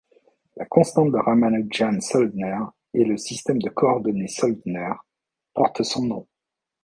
La Constante de Ramanujan-Soldner et le système de coordonnées Soldner portent son nom.